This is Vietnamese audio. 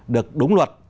được đúng luật